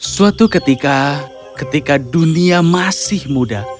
suatu ketika ketika dunia masih muda